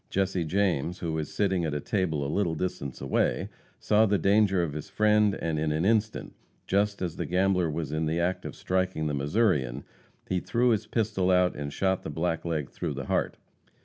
Jesse James, who was sitting at a table a little distance away, saw the danger of his friend, and in an instant, just as the gambler was in the act of striking the Missourian, he threw his pistol out and shot the blackleg through the heart.